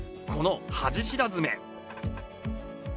この恥知らずめ！